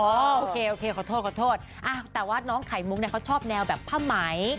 โอเคขอโทษแต่ว่าน้องไขมุ้งเขาชอบแนวแบบผ้าไหม